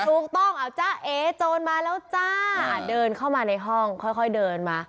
ถูกต้องเอาจ้าเอ๋โจรมาแล้วจ้าเดินเข้ามาในห้องค่อยเดินมา